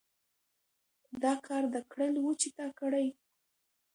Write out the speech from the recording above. دا کار د کړلو وو چې تا کړى.